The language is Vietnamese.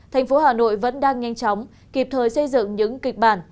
thành phố hà nội vẫn đang nhanh chóng kịp thời xây dựng những kịch bản